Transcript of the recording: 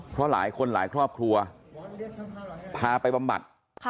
เพราะหลายคนหลายครอบครัวพาไปบำบัด